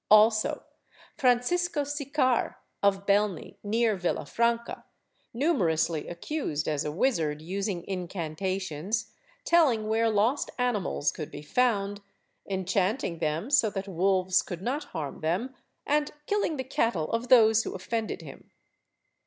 Also, Francisco Cicar, of Bellney, near Villafranca, numerously accused as a wizard using incantations, telling where lost animals could be found, enchanting them so that wolves could not harm them, and killing the cattle of those who offended him.